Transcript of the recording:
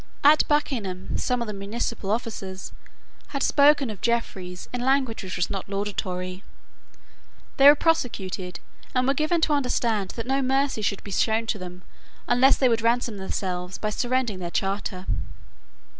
At Buckingham some of the municipal officers had spoken of Jeffreys in language which was not laudatory. They were prosecuted, and were given to understand that no mercy should be shown to them unless they would ransom themselves by surrendering their charter.